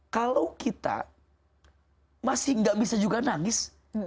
kalau kita masih gak bisa juga nangis